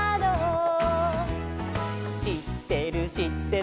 「しってるしってる」